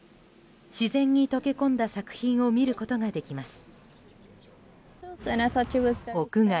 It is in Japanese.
自然に溶け込んだ作品を見ることができます。